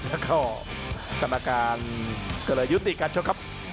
แล้วก็กรรมการก็เลยยุติการชกครับ